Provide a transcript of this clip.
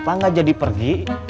bapak nggak jadi pergi